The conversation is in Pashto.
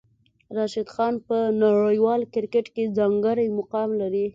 راشد خان په نړیوال کرکټ کې ځانګړی مقام لري.